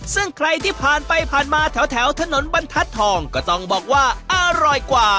ซึ่งใครที่ผ่านไปผ่านมาแถวถนนบรรทัศน์ทองก็ต้องบอกว่าอร่อยกว่า